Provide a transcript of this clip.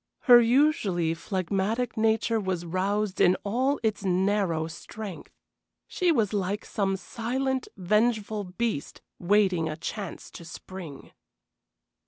Her usually phlegmatic nature was roused in all its narrow strength. She was like some silent, vengeful beast waiting a chance to spring.